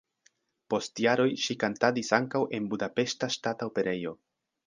Post jaroj ŝi kantadis ankaŭ en Budapeŝta Ŝtata Operejo.